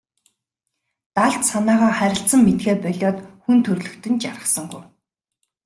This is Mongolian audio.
Далд санаагаа харилцан мэдэхээ болиод хүн төрөлхтөн жаргасангүй.